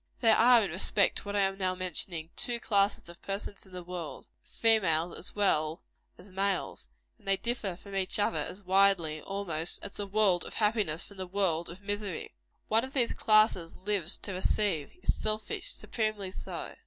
There are, in respect to what I am now mentioning, two classes of persons in the world of females as well as males; and they differ from each other as widely, almost, as the world of happiness from the world of misery. One of these classes lives to receive; is selfish supremely so.